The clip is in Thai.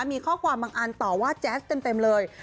มีข้อความบางอันต่อว่าแจ๊สเต็มเลย